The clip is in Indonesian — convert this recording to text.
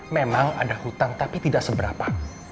memang ada hutang tapi tidak seberapa